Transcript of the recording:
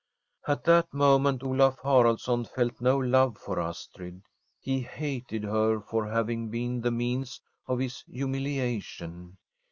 At that moment Olaf Haraldsson felt no love for Astrid. He hated her for having been the means of his humiliation.